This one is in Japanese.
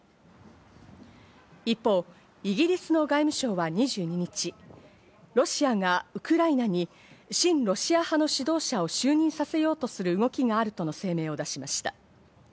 一方、イギリスの外務省は２２日、ロシアがウクライナに親ロシア派の指導者を就任させようとする動きがあるとの声明を出しました。